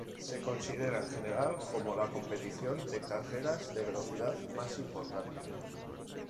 Se considera, en general, como la competición de carreras de velocidad más importante.